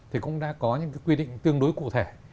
thì cũng đã có những cái quy định tương đối cụ thể